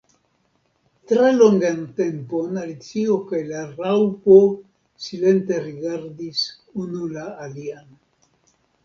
Tre longan tempon Alicio kaj la Raŭpo silente rigardis unu la alian.